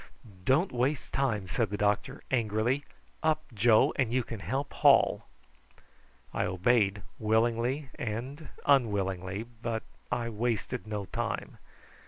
"Don't waste time," said the doctor angrily. "Up, Joe, and you can help haul." I obeyed willingly and unwillingly, but I wasted no time.